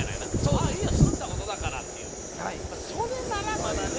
あいいよ済んだことだからっていうそれならまだね